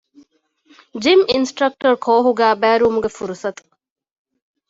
ޖިމް އިންސްޓްރަކްޓަރ ކޯހުގައި ބައިވެރިވުމުގެ ފުރުސަތު